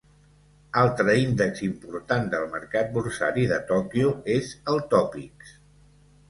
Altre índex important del mercat borsari de Tòquio és el Topix.